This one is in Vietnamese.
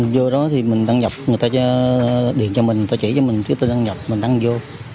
vô đó thì mình đăng nhập người ta điện cho mình người ta chỉ cho mình cái tên đăng nhập mình đăng vô